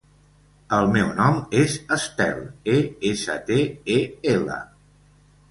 El meu nom és Estel: e, essa, te, e, ela.